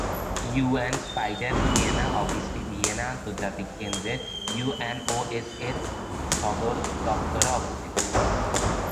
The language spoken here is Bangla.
ইউএন-স্পাইডার ভিয়েনা অফিসটি ভিয়েনা আন্তর্জাতিক কেন্দ্রের ইউএনওএসএ-র সদর দফতরে অবস্থিত।